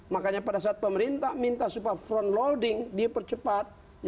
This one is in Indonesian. makanya pada saat pemerintah minta supaya front loading dipercepat